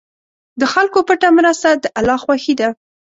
د خلکو پټه مرسته د الله خوښي ده.